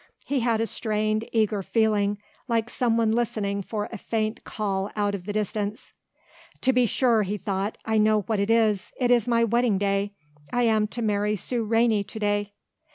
He had a strained, eager feeling like some one listening for a faint call out of the distance. "To be sure," he thought, "I know what it is, it is my wedding day. I am to marry Sue Rainey to day."